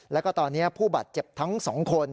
แล้วก็ตอนนี้ผู้บาดเจ็บทั้ง๒คน